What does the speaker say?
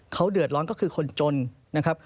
เขาเดือดร้อนก็คือคนจนนะครับ